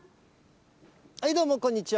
どうもこんにちは。